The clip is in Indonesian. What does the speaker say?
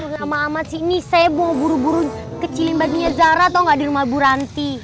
nama amat sih ini saya mau buru buru kecilin baginya zara tau gak di rumah bu ranti